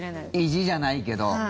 意地じゃないけど。